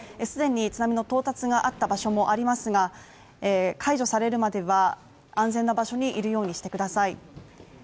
既に津波の到達があった場所もありますが解除されるまでは安全な場所にいるようにしてください。